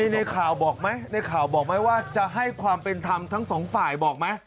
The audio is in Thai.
ในข่าวบอกไหมในข่าวบอกไหมว่าจะให้ความเป็นธรรมทั้งสองฝ่ายบอกไหม